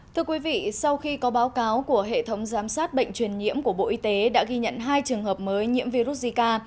thưa quý vị sau khi có báo cáo của hệ thống giám sát bệnh truyền nhiễm của bộ y tế đã ghi nhận hai trường hợp mới nhiễm virus zika